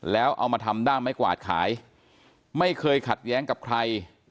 แล้วเอามาทำด้ามไม้กวาดขายไม่เคยขัดแย้งกับใคร